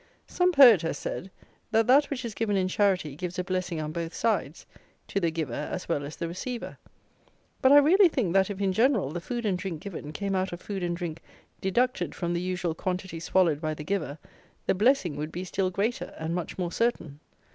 Some poet has said, that that which is given in charity gives a blessing on both sides; to the giver as well as the receiver. But I really think that if, in general, the food and drink given, came out of food and drink deducted from the usual quantity swallowed by the giver, the blessing would be still greater, and much more certain.